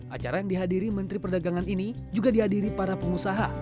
acara yang dihadiri menteri perdagangan ini juga dihadiri para pengusaha